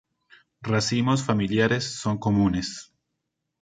Racimos familiares son comunes.